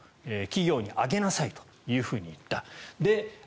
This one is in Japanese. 企業に上げなさいと言った。